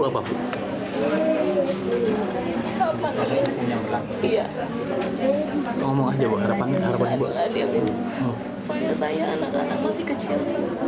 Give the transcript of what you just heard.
saya anak anak masih kecil